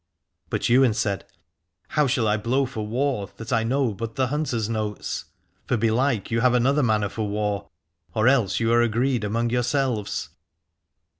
But Ywain said : How shall I blow for war that know but the hunter's notes? For belike you have another manner for war, or else you are agreed among yourselves.